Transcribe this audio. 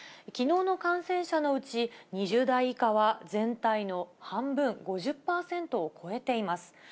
きのうの感染者のうち、２０代以下は全体の半分、５０％を超えています。